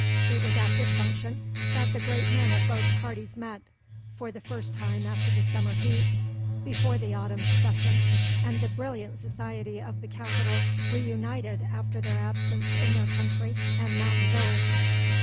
It was at this function that the great men of both parties met, for the first time after the summer heats, before the autumn session, and the brilliant society of the capital reunited after their absence in their country and mountain villas.